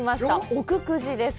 奥久慈です。